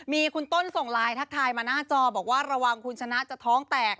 มีคุณต้นส่งไลน์ทักทายมาหน้าจอบอกว่าระวังคุณชนะจะท้องแตก